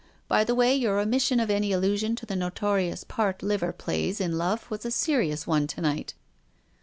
By the way, your omission of any allusion to the notorious part liver plays in love was a serious one to night."